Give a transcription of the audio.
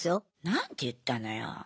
何て言ったのよ？